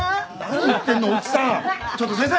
何やってんの？